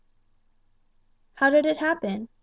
"How did it happen?"